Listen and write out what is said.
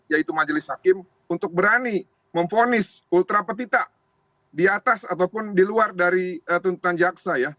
yaitu majelis hakim untuk berani memfonis ultra petita di atas ataupun di luar dari tuntutan jaksa ya